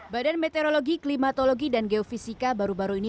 badan meteorologi klimatologi dan geofisika baru baru ini